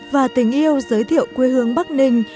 và tình yêu giới thiệu quê hương bắc ninh